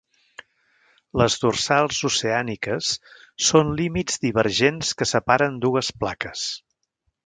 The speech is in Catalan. Les dorsals oceàniques són límits divergents que separen dues plaques.